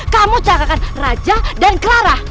kamu cakakan raja dan clara